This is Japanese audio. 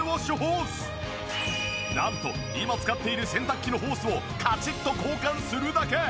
なんと今使っている洗濯機のホースをカチッと交換するだけ。